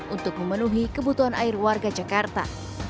untuk memenuhi kebutuhan air warga jakarta